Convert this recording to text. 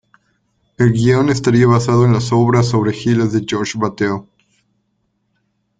El guion estaría basado en las obras sobre Gilles de Georges Bataille.